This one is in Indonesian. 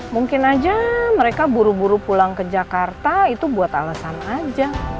mungkin aja mereka buru buru pulang ke jakarta itu buat alasan aja